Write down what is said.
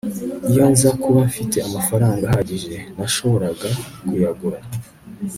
iyo nza kuba mfite amafaranga ahagije, nashoboraga kuyagura